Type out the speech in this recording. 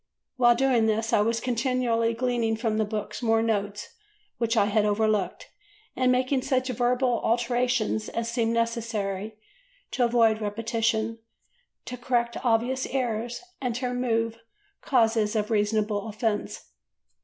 While doing this I was continually gleaning from the books more notes which I had overlooked, and making such verbal alterations as seemed necessary to avoid repetition, to correct obvious errors and to remove causes of reasonable offence.